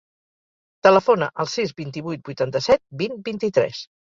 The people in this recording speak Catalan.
Telefona al sis, vint-i-vuit, vuitanta-set, vint, vint-i-tres.